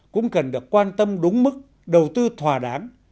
cũng cần được quan tâm đúng mức đầu tư thòa đáng